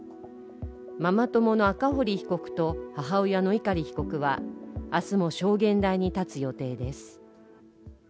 ママ友の赤堀被告と母親の碇被告は明日も証言台に立つ予定です。